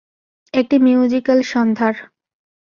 একটি মিউজিক্যাল সন্ধ্যার।